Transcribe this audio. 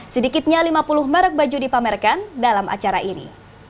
sedikitnya lima puluh merek baju dipamerkan dalam acara ini